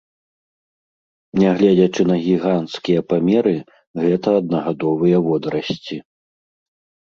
Нягледзячы на гіганцкія памеры, гэта аднагадовыя водарасці.